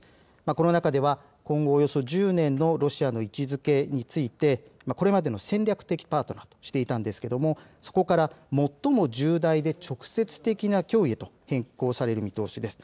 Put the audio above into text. この中では今後１０年のロシアの位置づけについてこれまでの戦略的パートナーとしていたんですけれども、そこから最も重大で直接的な脅威へと変更される見通しです。